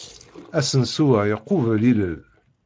Asensu-a iqubel ilel.